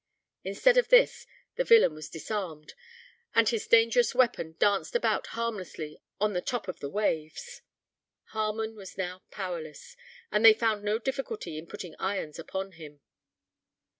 Instead of this, the villain was disarmed, and his dangerous weapon danced about harmlessly on the top of the waves. Harmon was now powerless; and they found no difficulty in putting irons upon him.